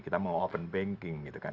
kita mau open banking gitu kan